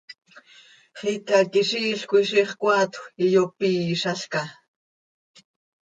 Xicaquiziil coi ziix coaatjö iyoopizalca.